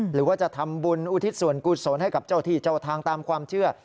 หรือว่าจะทำบุญอุทิศส่วนกุศลให้กับเจ้าที่เจ้าทางตามความเชื่อ